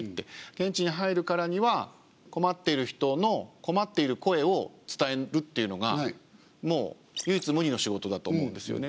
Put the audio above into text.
現地に入るからには困っている人の困っている声を伝えるっていうのが唯一無二の仕事だと思うんですよね。